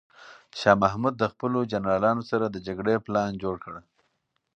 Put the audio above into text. شاه محمود د خپلو جنرالانو سره د جګړې پلان جوړ کړ.